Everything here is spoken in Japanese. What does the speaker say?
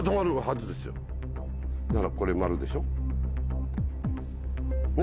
だからこれ「○」でしょ。ね？